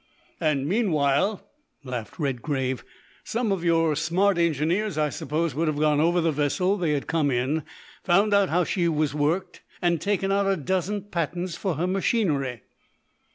"And meanwhile," laughed Redgrave, "some of your smart engineers, I suppose, would have gone over the vessel they had come in, found out how she was worked, and taken out a dozen patents for her machinery."